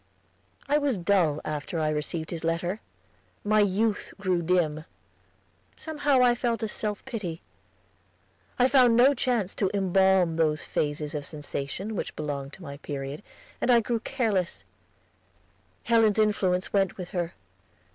I was dull after I received his letter. My youth grew dim; somehow I felt a self pity. I found no chance to embalm those phases of sensation which belonged to my period, and I grew careless; Helen's influence went with her.